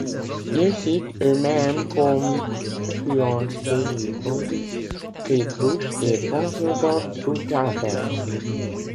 Ils citent eux-mêmes comme influences David Bowie, Kate Bush et Bonzo Dog Doo-Dah Band.